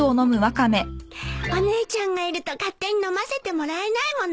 お姉ちゃんがいると勝手に飲ませてもらえないもの。